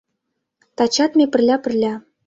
Тачат ме пырля-пырля